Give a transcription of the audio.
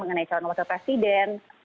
mengenai calon wakil presiden